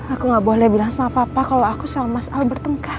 aku nggak boleh bilang sama papa kalau aku sama mas al bertengkar